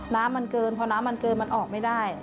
น้ำมันเกินพอน้ำมันเกินมันออกไม่ได้